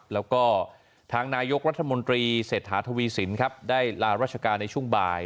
แล้วก็ทางนายกรัฐมนตรีเศรษฐาทวีสินครับได้ลาราชการในช่วงบ่าย